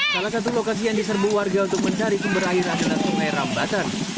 salah satu lokasi yang diserbu warga untuk mencari sumber air adalah sungai rambatan